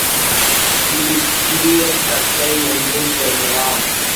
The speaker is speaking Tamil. கிளியைத் தத்தை என்றும் சொல்லலாம்.